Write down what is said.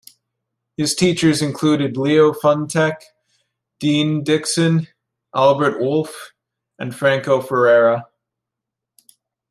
His teachers included Leo Funtek, Dean Dixon, Albert Wolff and Franco Ferrara.